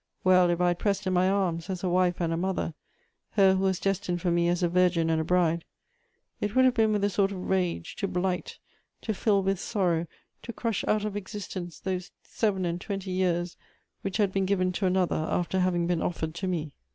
Well, if I had pressed in my arms, as a wife and a mother, her who was destined for me as a virgin and a bride, it would have been with a sort of rage, to blight, to fill with sorrow, to crush out of existence those seven and twenty years which had been given to another after having been offered to me.